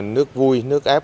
nước vui nước ác